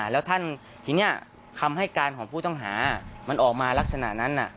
แล้วท่านทีนี้คำให้การของผู้ต้องหามันออกมาลักษณะนั้น